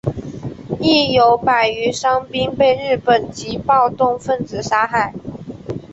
亦有百余伤兵被日本籍暴动分子杀害。